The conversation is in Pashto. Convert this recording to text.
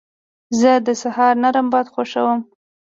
زه د سهار نرم باد خوښوم.